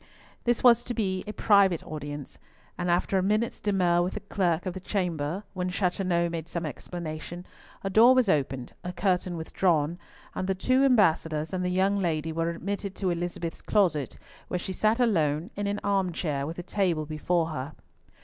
This was to be a private audience, and after a minute's demur with the clerk of the chamber, when Chateauneuf made some explanation, a door was opened, a curtain withdrawn, and the two ambassadors and the young lady were admitted to Elizabeth's closet, where she sat alone, in an arm chair with a table before her.